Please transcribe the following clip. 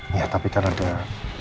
iya tapi kan ada